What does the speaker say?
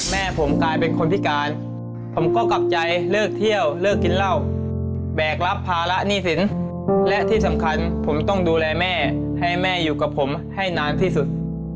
แม่ผมกลายเป็นคนพิการผมก็กลับใจเลิกเที่ยวเลิกกินเหล้าแบกรับภาระหนี้สินและที่สำคัญผมต้องดูแลแม่ให้แม่อยู่กับผมให้นานที่สุด